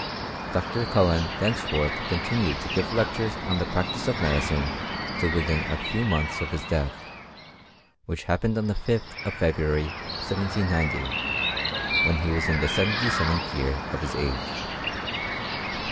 Dr. Cullen thenceforth continued to give lec tures on the practice of medicine till within a few months of his death, which happened on the 5th of February, 1790, when he was in the seventy seventh year of his age.